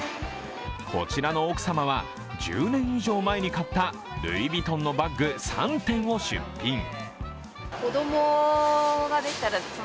こちらの奥様は、１０年以上前に買ったルイ・ヴィトンのバッグ３点を出品。